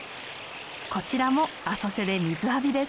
こちらも浅瀬で水浴びです。